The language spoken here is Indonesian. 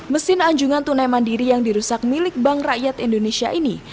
mesin anjungan tunai mandiri yang dirusak milik bank rakyat indonesia ini